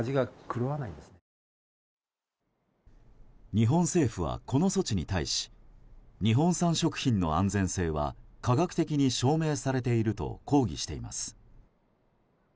日本政府はこの措置に対し日本産食品の安全性は科学的に証明されていると抗議しています。